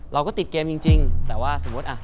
เราก็ติดเกมจริงแต่ว่าสมมุติอ่ะ